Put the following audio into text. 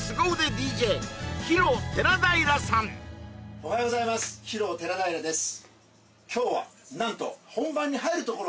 おはようございますヒロ寺平です